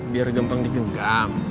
biar gampang digenggam